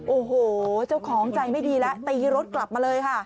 โอ้โหเจ้าของใจไม่ดีแล้วตีรถกลับมาเลยค่ะ